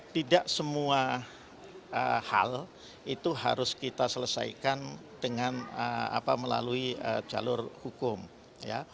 tidak semua hal itu harus kita selesaikan dengan melalui jalur hukum ya